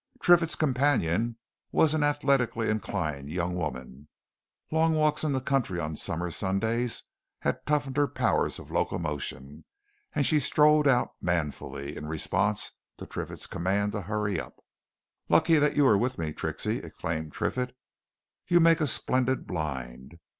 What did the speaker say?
Triffitt's companion was an athletically inclined young woman long walks in the country on summer Sundays had toughened her powers of locomotion and she strode out manfully in response to Triffitt's command to hurry up. "Lucky that you were with me, Trixie!" exclaimed Triffitt. "You make a splendid blind.